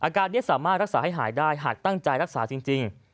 อาการนี้สามารถรักษาให้หายได้หากตั้งใจรักษาจริง